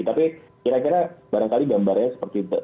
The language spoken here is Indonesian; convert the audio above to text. tapi kira kira barangkali gambarnya seperti itu